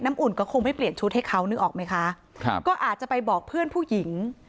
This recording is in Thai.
อุ่นก็คงไม่เปลี่ยนชุดให้เขานึกออกไหมคะครับก็อาจจะไปบอกเพื่อนผู้หญิง